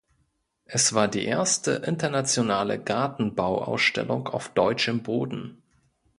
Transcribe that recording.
Es war die erste Internationale Gartenbauausstellung auf deutschem Boden.